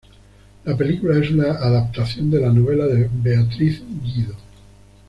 La película es una adaptación de la novela de Beatriz Guido.